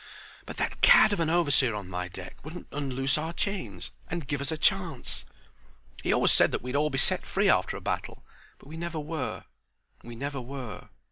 But that cad of an overseer on my deck wouldn't unloose our chains and give us a chance. He always said that we'd all Be set free after a battle, but we never were; We never were."